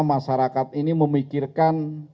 masyarakat ini memikirkan